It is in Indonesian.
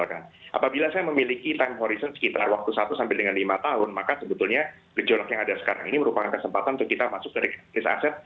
apabila saya memiliki time horizon sekitar waktu satu sampai dengan lima tahun maka sebetulnya gejolak yang ada sekarang ini merupakan kesempatan untuk kita masuk dari risk aset